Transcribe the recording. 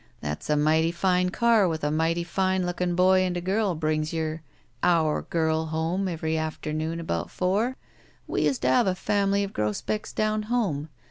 That's a mighty fine car with a mighty fine looking boy and a girl brings your — our girl home every afternoon about fotar. We used to have a family of Grosbecks down homo.